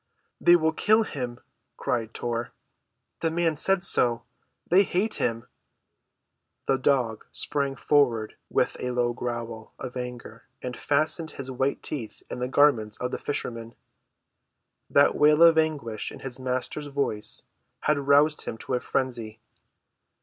"They will kill him," cried Tor. "The man said so. They hate him!" The dog sprang forward with a low growl of anger and fastened his white teeth in the garments of the fisherman. That wail of anguish in his master's voice had roused him to a frenzy.